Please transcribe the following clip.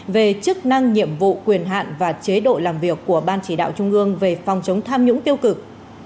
về chức năng nhiệm vụ quyền hạn và chế độ làm việc của ban chỉ đạo trung ương về phòng chống tham nhũng tiêu cực